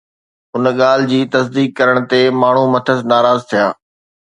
ان ڳالهه جي تصديق ڪرڻ تي ماڻهو مٿس ناراض ٿيا